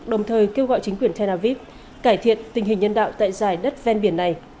đồng thời kêu gọi chính quyền tel aviv cải thiện tình hình nhân đạo tại dài đất ven biển này